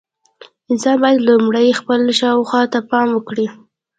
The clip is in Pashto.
انسان باید لومړی خپل شاوخوا ته پام وکړي.